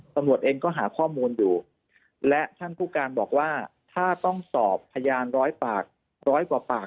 ตำรวจเองก็หาข้อมูลอยู่และท่านผู้การบอกว่าถ้าต้องสอบพยานร้อยปากร้อยกว่าปาก